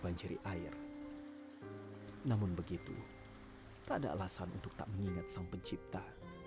namun begitu tak ada alasan untuk tak mengingat sang pencipta